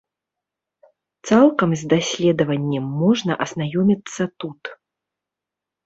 Цалкам з даследаваннем можна азнаёміцца тут.